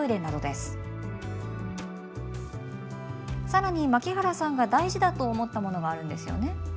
更に槙原さんが大事だと思ったものがあるんですよね？